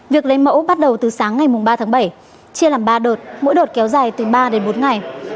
việc lấy mẫu bắt đầu từ sáng ngày ba tháng bảy chia làm ba đợt mỗi đợt kéo dài từ ba đến bốn ngày